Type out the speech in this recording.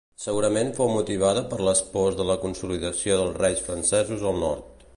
Segurament fou motivada per les pors a la consolidació dels reis francesos al nord.